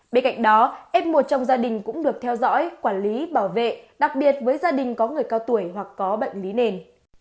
bên cạnh đó f một trong gia đình cũng được theo dõi quản lý bảo vệ đặc biệt với gia đình có người cao tuổi hoặc có bệnh lý nền